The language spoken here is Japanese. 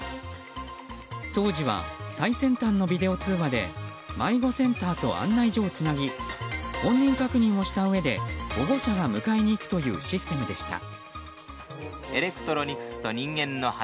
当時は、最先端のビデオ通話で迷子センターと案内所をつなぎ本人確認をしたうえで保護者が迎えに行くというシステムでした。